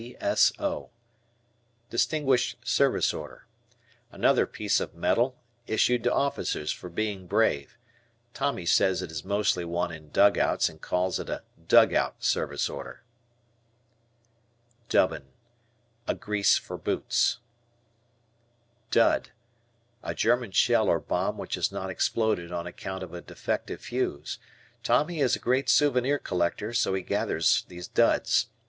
D.S.O. Distinguished Service Order. Another piece of metal issued to officers for being brave. Tommy says it is mostly won in dugouts and calls it a "Dugout Service Order." Dubbin. A grease for boots. Dud. A German shell or bomb which has not exploded on account of a defective fuse. Tommy is a great souvenir collector so he gathers these "duds."